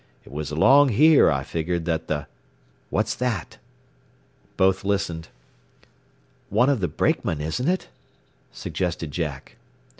It was along there I figured that the "What's that?" Both listened. "One of the brakemen, isn't it?" suggested Jack.